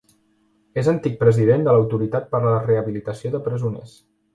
És antic president de l'Autoritat per a la Rehabilitació de Presoners.